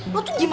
lo tuh jahat